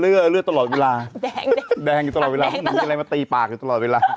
อยู่ตลอดเวลามันกำลังมาตีปากอยู่ตลอดเวลา